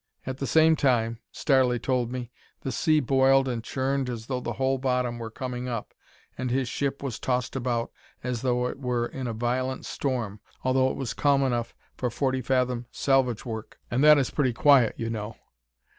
At the same time, Starley told me, the sea boiled and churned as though the whole bottom were coming up, and his ship was tossed about as though it were in a violent storm, although it was calm enough for forty fathom salvage work and that is pretty quiet, you know.